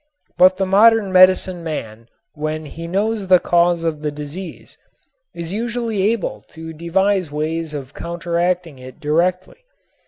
But the modern medicine man when he knows the cause of the disease is usually able to devise ways of counteracting it directly.